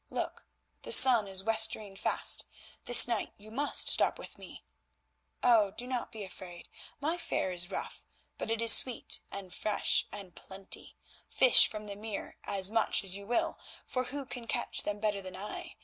Look, the sun is westering fast, this night you must stop with me. Oh! do not be afraid, my fare is rough, but it is sweet and fresh and plenty; fish from the mere as much as you will, for who can catch them better than I?